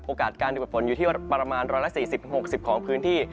การเกิดฝนอยู่ที่ประมาณ๑๔๐๖๐ของพื้นที่